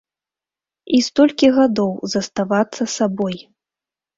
І столькі гадоў заставацца сабой.